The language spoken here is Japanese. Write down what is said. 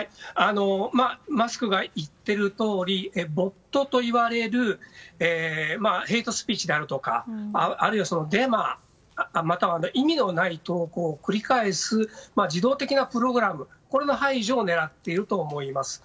マスクが言っているとおりボットといわれるヘイトスピーチであるとかあるいはデマまたは意味のない投稿を繰り返す自動的なプログラムの排除を狙っていると思います。